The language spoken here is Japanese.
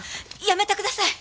やめてください！